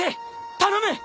頼む！